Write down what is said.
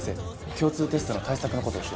共通テストの対策のこと教えて。